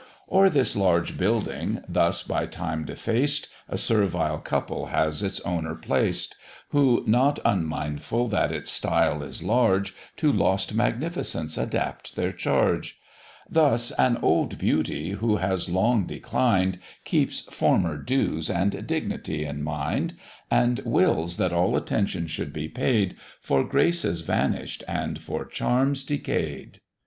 O'er this large building, thus by time defaced, A servile couple has its owner placed, Who not unmindful that its style is large, To lost magnificence adapt their charge: Thus an old beauty, who has long declined, Keeps former dues and dignity in mind; And wills that all attention should be paid For graces vanish'd and for charms decay'd.